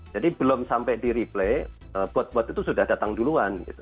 jadi belum sampai di replay bot bot itu sudah datang duluan